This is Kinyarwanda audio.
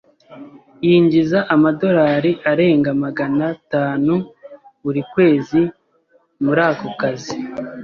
Yinjiza amadorari arenga magana atanu buri kwezi muri ako kazi.